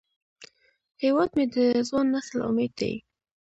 هیواد مې د ځوان نسل امید دی